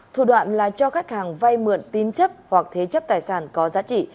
thủ đoạn là cho khách hàng vay mượn tín chấp hoặc thế chấp tài sản có giá trị